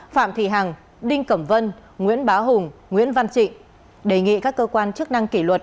phạm thị hằng đinh cẩm vân nguyễn bá hùng nguyễn văn trịnh đề nghị các cơ quan chức năng kỷ luật